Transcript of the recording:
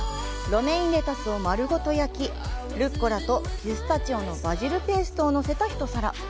ロメインレタスを丸ごと焼きルッコラとピスタチオのバジルペーストをのせた一皿。